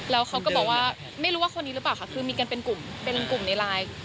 แล้วเขาก็บอกว่าไม่รู้ว่าคนนี้หรือเปล่าค่ะคือมีกันเป็นกลุ่มเป็นกลุ่มในไลน์